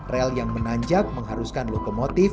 rel yang menanjak mengharuskan lokomotif